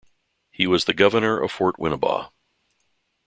He was the governor of Fort Winnebah.